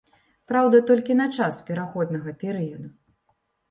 Праўда, толькі на час пераходнага перыяду.